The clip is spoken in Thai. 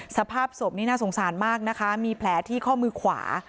สภาพศพนี่น่าสงสารมากนะคะมีแผลที่ข้อมือขวา